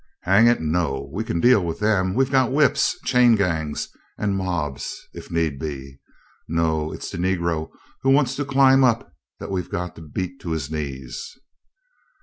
"Hang it, no! We can deal with them; we've got whips, chain gangs, and mobs, if need be no, it's the Negro who wants to climb up that we've got to beat to his knees."